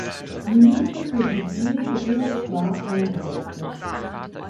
Minute für Didier Drogba eingewechselt.